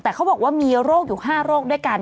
แต่เขาบอกว่ามีโรคอยู่๕โรคด้วยกัน